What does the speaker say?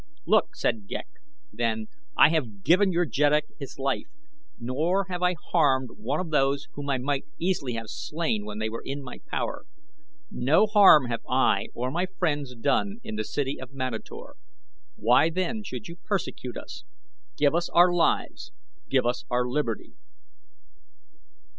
"Look," said Ghek, then, "I have given your jeddak his life, nor have I harmed one of those whom I might easily have slain when they were in my power. No harm have I or my friends done in the city of Manator. Why then should you persecute us? Give us our lives. Give us our liberty."